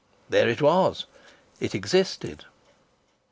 There it was! It existed!